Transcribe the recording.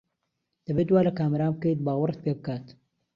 دەبێت وا لە کامەران بکەیت باوەڕت پێ بکات.